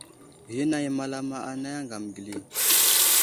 Ghinaŋ i malama anay aŋgam geli.